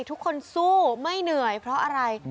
ทุกคนสู้ไม่เหนื่อยเพราะอะไร